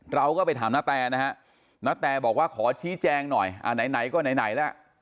เราก็ไปถามนาแตนะฮะณแตบอกว่าขอชี้แจงหน่อยไหนก็ไหนล่ะ